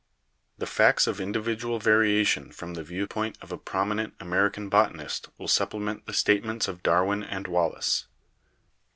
The facts of individual variation from the viewpoint of a prominent American botanist will supplement the statements of Darwin and Wallace.